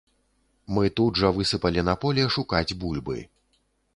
Мы тут жа высыпалі на поле шукаць бульбы.